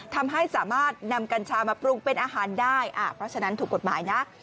ทำให้สามารถนำกัญชามาปรุงเป็นอาหารได้เพราะฉะนั้นถูกกฎหมายนะ